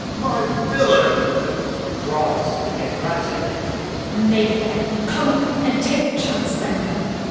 My villain! Draw and fight. 1. Serv. Nay, then, come on, and take the chance of anger.